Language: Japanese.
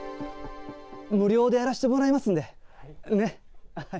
無料でやらせてもらいますんで、ねっ！